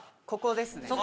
ここですね。